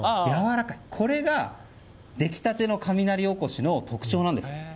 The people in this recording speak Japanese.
これが、できたての雷おこしの特徴なんですね。